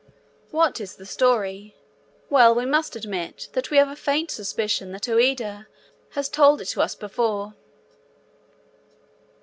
What is the story? Well, we must admit that we have a faint suspicion that Ouida has told it to us before.